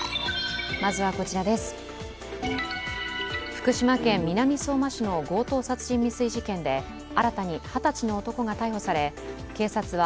福島県南相馬市の強盗殺人未遂事件で新たに二十歳の男が逮捕され、警察は